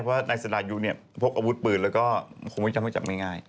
เพราะว่านายน์สไนุพพกอวุธปืนแล้วก็คงไม่จำว่าจับไม่ง่าย